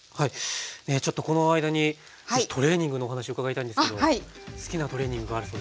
ちょっとこの間に是非トレーニングのお話を伺いたいんですけど好きなトレーニングあるそうですね。